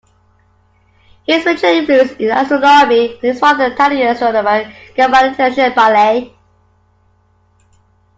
His major influences in astronomy were his father and the Italian astronomer Giovanni Schiaparelli.